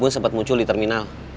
mungkin pas muncul di terminal